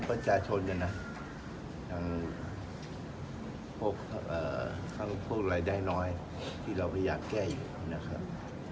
ทุกประชาชนด้วยนะทั้งพวกอะไรได้น้อยที่เราก็อยากแก้อยู่นะครับ